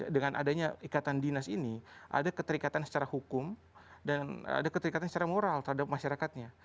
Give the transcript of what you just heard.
dengan adanya ikatan dinas ini ada keterikatan secara hukum dan ada keterikatan secara moral terhadap masyarakatnya